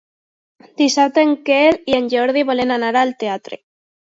Dissabte en Quel i en Jordi volen anar al teatre.